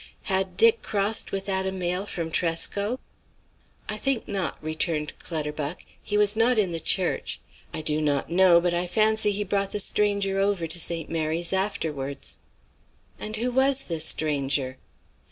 "Had Dick crossed with Adam Mayle from Tresco?" "I think not," returned Clutterbuck. "He was not in the church. I do not know, but I fancy he brought the stranger over to St. Mary's afterwards." "And who was this stranger?"